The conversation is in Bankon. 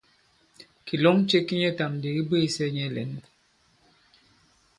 Kìlɔŋ ce ki nyɛtām ndi ki bwêsɛ nyɛ lɛ̌n.